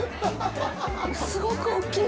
すごく大きい。